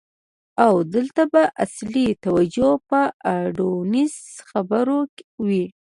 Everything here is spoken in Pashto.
او دلته به اصلی توجه په آډوانس خبرو وی.